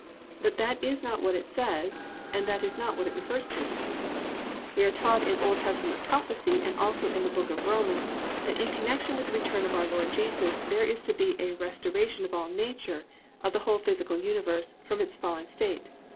But that is not what it says, and that is not what it refers to. We are taught in Old Testament prophecy and also in the book of Romans, that in connection with the return of our Lord Jesus there is to be a restoration of all nature, of the whole physical universe, from its fallen state.